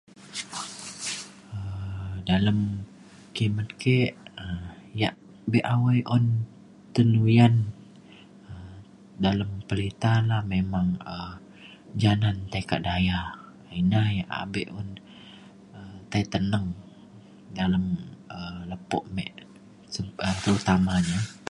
Dalem kimet ke um ya' bek awai un tenuyan dalem berita na memang um jan ne te ka' daya inah ya abek tai teneng dalem um lepo mek terutamanya